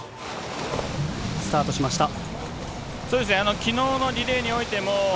スタートしました。